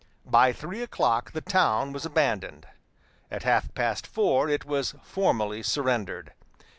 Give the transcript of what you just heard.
By three o'clock the town was abandoned; at half past four it was formally surrendered.